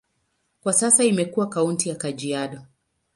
Kwa sasa imekuwa kaunti ya Kajiado.